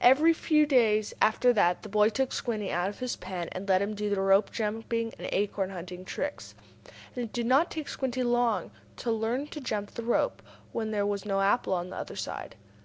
Every few days after that the boy took Squinty out of his pen, and let him do the rope jumping and the acorn hunting tricks. And it did not take Squinty long to learn to jump the rope when there was no apple on the other side.